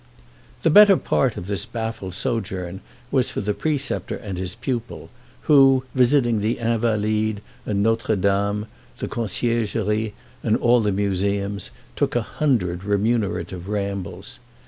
The better part of this baffled sojourn was for the preceptor and his pupil, who, visiting the Invalides and Notre Dame, the Conciergerie and all the museums, took a hundred remunerative rambles.